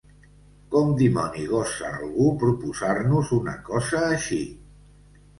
Com dimoni gosa algú proposar-nos una cosa així?